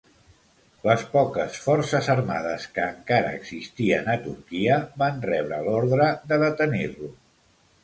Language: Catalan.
Les poques forces armades que encara existien a Turquia van rebre l'ordre de detenir-lo.